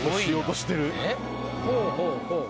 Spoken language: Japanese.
ほうほうほう。